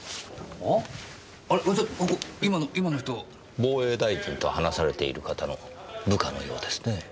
防衛大臣と話されている方の部下のようですねぇ。